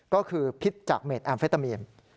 ก็คือพิษจากเมดแอมเฟตามีน